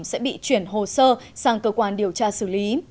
sẽ bị chuyển hồ sơ sang cơ quan điều tra xử lý